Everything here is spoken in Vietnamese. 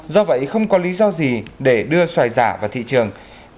do vậy không có lý do gì để đưa xoài giả vào thị trường